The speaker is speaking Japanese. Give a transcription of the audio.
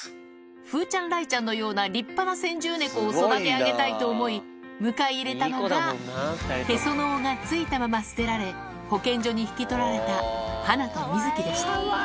風ちゃん雷ちゃんのような立派な先住猫を育て上げたいと思い、迎え入れたのが、へその緒が付いたまま捨てられ、保健所に引き取られたハナとミズキでした。